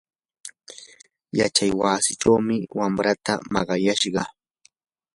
yachaywasichawmi wamraata maqayashqa.